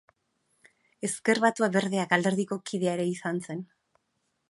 Ezker Batua-Berdeak alderdiko kidea ere izan zen.